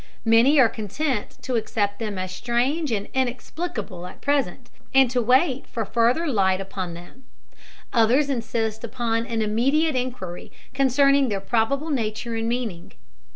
Many are content to accept them as strange and inexplicable at present, and to wait for further light upon them; others insist upon an immediate inquiry concerning their probable nature and meaning.